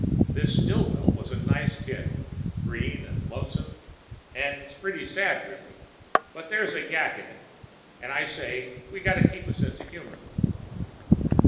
This Stillwell was a nice kid green and lonesome and it's pretty sad, really, but there's a yak in it, and as I say we got to keep a sense of humor.